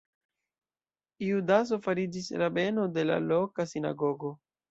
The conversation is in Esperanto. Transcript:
Judaso fariĝis rabeno de la loka sinagogo.